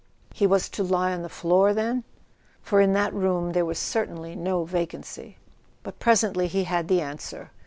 He was to lie on the floor, then? For in that room there was certainly no vacancy. But presently he had the answer.